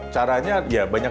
caranya ya banyak